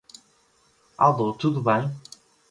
Alô, tudo bem?